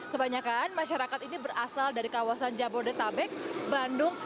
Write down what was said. kebanyakan masyarakat ini berasal dari kawasan jabodetabek bandung